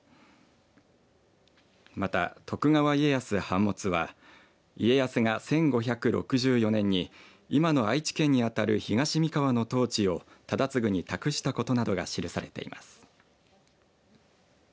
また徳川家康判物は家康が１５６４年に今の愛知県にあたる東三河の統治を忠次に託したことなどが記されています。